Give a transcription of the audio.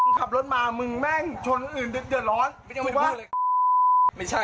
อย่าเลยนะมันแค่มีเรื่องเดียวให้มันพอแค่นี้เถอะ